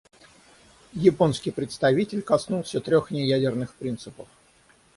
Японский представитель коснулся трех неядерных принципов.